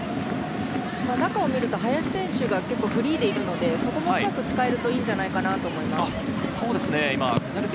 中は林選手がフリーでいるので、そこをうまく使えるといいのではないかと思います。